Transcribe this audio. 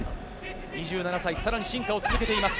２７歳更に進化を続けています。